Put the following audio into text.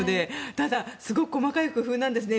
ただすごく細かい工夫なんですね。